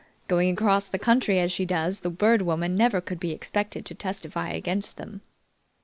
Going across the country as she does, the Bird Woman never could be expected to testify against them."